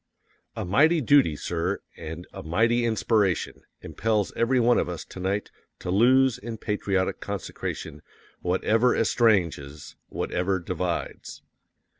_A MIGHTY DUTY, SIR, AND A MIGHTY INSPIRATION impels every one of us to night to lose in patriotic consecration WHATEVER ESTRANGES, WHATEVER DIVIDES.